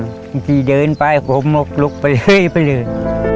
บางทีเดินไปโกมกลุกไปเรื่อย